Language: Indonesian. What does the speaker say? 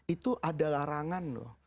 itu ada larangan loh